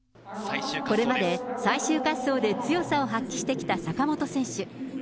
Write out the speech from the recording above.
これまで、最終滑走で強さを発揮してきた坂本選手。